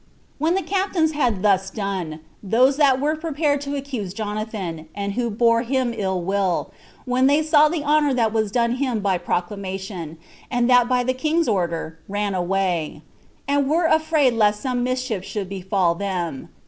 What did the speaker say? And when the captains had thus done, those that were prepared to accuse Jonathan, and who bore him ill will, when they saw the honor that was done him by proclamation, and that by the king's order, ran away, and were afraid lest some mischief should befall them.